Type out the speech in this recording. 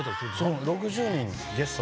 そう６０人ゲスト。